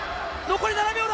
残り７秒だ。